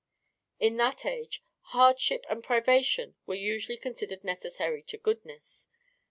In that age hardship and privation were usually considered necessary to goodness.